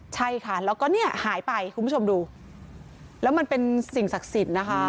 ใช่ค่ะแล้วก็เนี่ยหายไปคุณผู้ชมดูแล้วมันเป็นสิ่งศักดิ์สิทธิ์นะคะ